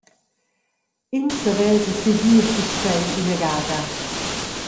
Ins sevesa segir puspei ina gada.